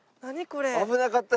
危なかった。